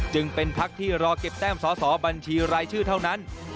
จึงเป็นพักที่รอเก็บแต้มสอสอบัญชีรายชื่อเท่านั้น